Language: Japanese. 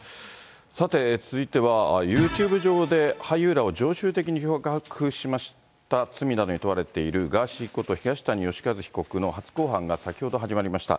さて続いては、ユーチューブ上で俳優らを常習的に脅迫しました罪などに問われているガーシーこと、東谷義和被告の初公判が先ほど始まりました。